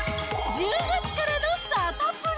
１０月からのサタプラ。